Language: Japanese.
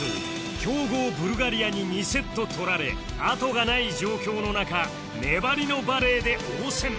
強豪ブルガリアに２セット取られ後がない状況の中粘りのバレーで応戦